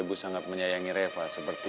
ibu sangat menyayangi reva seperti